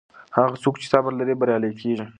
هغه څوک چې صبر لري بریالی کیږي.